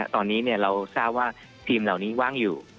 ตอนนี้เราทราบว่าทีมเหล่านี้ว่างอยู่